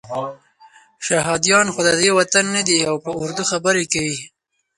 شهادیان خو ددې وطن نه دي او په اردو خبرې کوي.